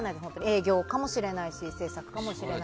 営業かもしれないし制作かもしれないし。